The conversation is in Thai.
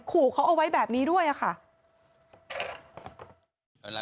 ขู่เขาเอาไว้แบบนี้ด้วยค่ะ